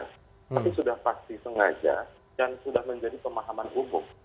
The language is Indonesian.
tapi sudah pasti sengaja dan sudah menjadi pemahaman umum